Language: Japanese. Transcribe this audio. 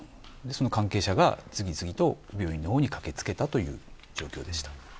その関係者が次々と病院に駆け付けたという状況でした。